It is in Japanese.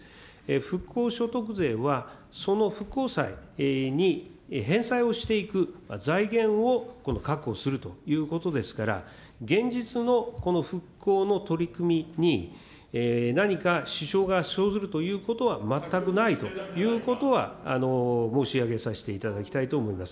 復興所得税はその復興債に返済をしていく財源を確保するということですから、現実のこの復興の取り組みに、何か支障が生ずるということは全くないということは申し上げさせていただきたいと思います。